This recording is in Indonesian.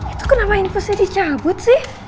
itu kenapa infusnya dicabut sih